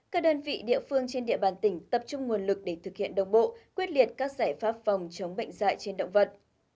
các đơn vị địa phương trên địa bàn tỉnh tập trung nguồn lực để thực hiện đồng bộ quyết liệt các giải pháp phòng chống bệnh dạy trên động vật